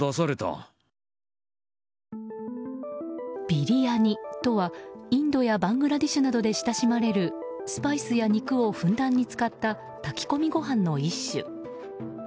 ビリヤニとは、インドやバングラデシュなどで親しまれるスパイスや肉をふんだんに使った炊き込みご飯の一種。